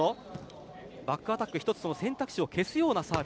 バックアタック一つ選択肢を消すようなサーブ。